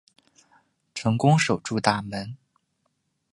成功守住大门